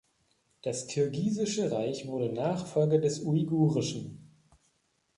Das Kirgisische Reich wurde Nachfolger des Uigurischen.